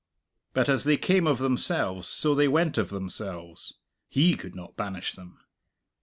But as they came of themselves, so they went of themselves. He could not banish them.